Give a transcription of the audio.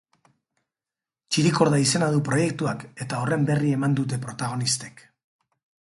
Txirikorda izena du proiektuak eta horren berri eman dute protagonistek.